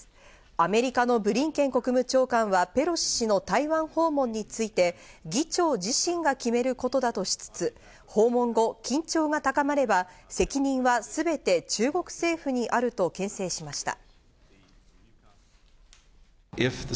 アメリカのブリンケン国務長官はペロシ氏の台湾訪問について、議長自身が決めることだとしつつ訪問後、緊張が高まれば、責任はすべて中国政府にあるとけん制しました。